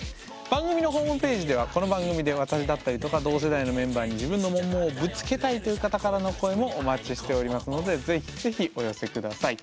番組のホームページではこの番組で私だったりとか同世代のメンバーに自分のモンモンをぶつけたいという方からの声もお待ちしておりますので是非是非お寄せ下さい。